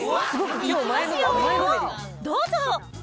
いきますよ、どうぞ。